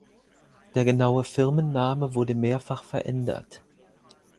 Der genaue Firmenname wurde mehrfach verändert.